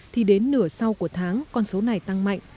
thì đến nửa sau của tháng con số này tăng mạnh